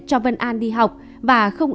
cho vân an đi học và không